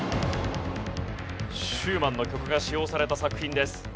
シューマンの曲が使用された作品です。